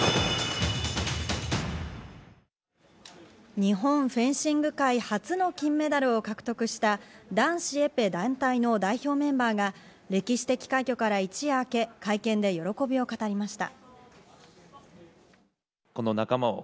日本フェンシング界初の金メダルを獲得した男子エペ団体の代表メンバーが歴史的快挙から一夜明け、会見で喜びを語りました。